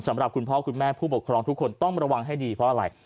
สำหรับคุณพ่อคุณแม่ผู้ปกครองทุกคนต้องระวังให้ดีเพราะอะไร